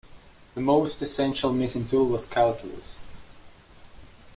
The most essential missing tool was calculus.